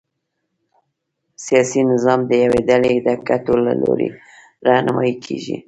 سیاسي نظام د یوې ډلې د ګټو له لوري رهنمايي کېږي.